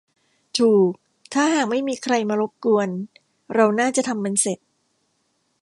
ถูก ถ้าหากไม่มีใครมารบกวนเราน่าจะทำมันเสร็จ